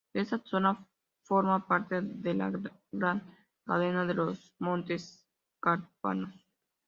Esta zona forma parte de la gran cadena de los Montes Cárpatos.